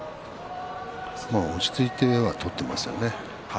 落ち着いて取ってはいますよね。